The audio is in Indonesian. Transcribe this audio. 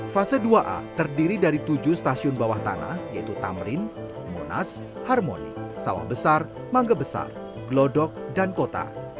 fase dua a terdiri dari tujuh stasiun bawah tanah yaitu tamrin monas harmoni sawah besar mangga besar glodok dan kota